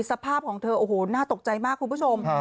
สภาพของเธอโอ้โหน่าตกใจมากคุณผู้ชม